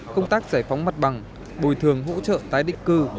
công tác giải phóng mặt bằng bồi thường hỗ trợ tái định cư